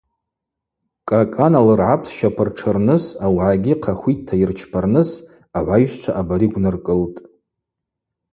Кӏакӏана лыргӏапсща пыртшырныс, Аугӏагьи хъахвитта йырчпарныс – Агӏвайщчва абари гвныркӏылтӏ.